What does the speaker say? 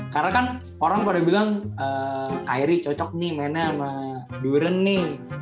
karena kan orang pada bilang kairi cocok nih mainnya sama duren nih